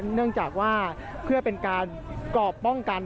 เนื่องจากว่าเพื่อเป็นการกรอบป้องกัน